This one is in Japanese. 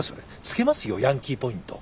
付けますよヤンキーポイント。